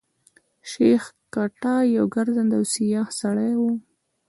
شېخ کټه يو ګرځنده او سیاح سړی وو.